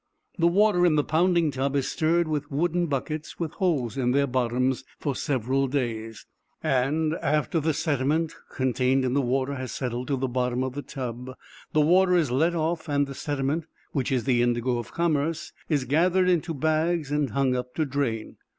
The water in the pounding tub is stirred with wooden buckets, with holes in their bottoms, for several days; and, after the sediment contained in the water has settled to the bottom of the tub, the water is let off, and the sediment, which is the indigo of commerce, is gathered into bags, and hung up to drain.